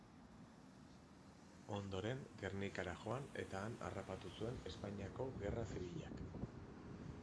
Ondoren Gernikara joan eta han harrapatu zuen Espainiako Gerra Zibilak.